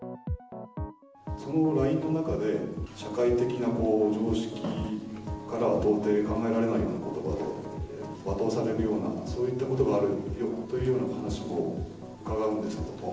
そのＬＩＮＥの中で、社会的な常識から到底考えられないようなことばで罵倒されるような、そういったことがあるというような話も伺うんですけども。